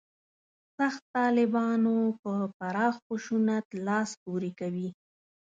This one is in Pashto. «سخت طالبانو» په پراخ خشونت لاس پورې کوي.